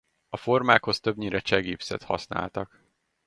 A formákhoz többnyire cseh gipszet használtak.